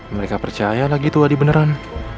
mereka percaya lagi tuh adi beneran